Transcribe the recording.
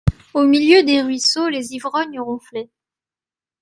Au milieu des ruisseaux, les ivrognes ronflaient.